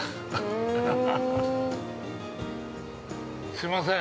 ◆すいません。